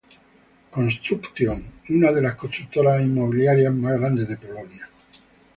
Construction, una de las constructoras inmobiliarias más grandes de Polonia.